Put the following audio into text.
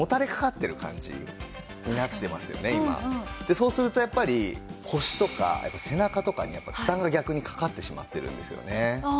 そうするとやっぱり腰とか背中とかに負担が逆にかかってしまっているんですよね。